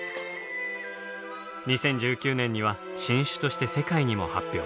２０１９年には新種として世界にも発表。